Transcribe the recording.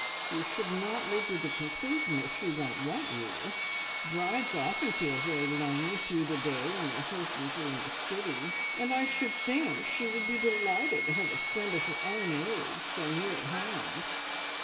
You should not leap to the conclusion that she won't want you. Brides often feel very lonely through the day when their husbands are in the city, and I should think she would be delighted to have a friend of her own age so near at hand.